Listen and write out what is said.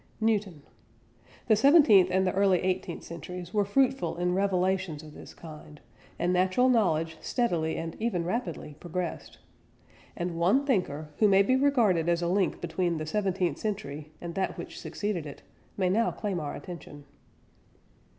NEWTON. The seventeenth and the early eighteenth centuries were fruitful in revelations of this kind, and natural knowledge steadily and even rapidly progressed. And one thinker, who may be regarded as a link between the seventeenth century and that which succeeded it, may now claim our attention.